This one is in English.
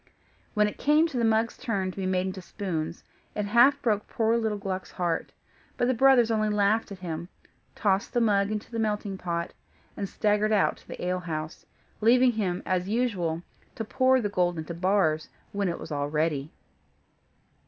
When it came to the mug's turn to be made into spoons, it half broke poor little Gluck's heart: but the brothers only laughed at him, tossed the mug into the melting pot, and staggered out to the ale house: leaving him, as usual, to pour the gold into bars, when it was all ready.